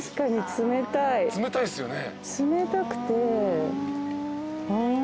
冷たくてん。